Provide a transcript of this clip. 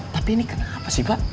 tapi ini kenapa sih pak